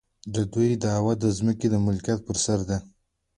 د دوی دعوه د ځمکې د ملکیت پر سر ده.